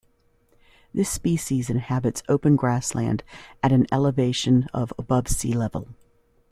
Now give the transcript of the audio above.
This species inhabits open grassland at an elevation of above sea level.